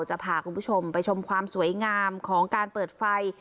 จะพาคุณผู้ชมไปชมความสวยงามของการเปิดไฟ